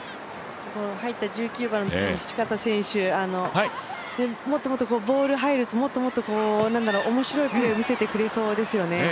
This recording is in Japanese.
入った１９番の土方選手ボールが入るともっともっと面白いプレーを見せてくれそうですよね。